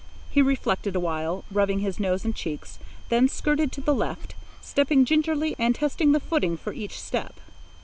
He reflected awhile, rubbing his nose and cheeks, then skirted to the left, stepping gingerly and testing the footing for each step.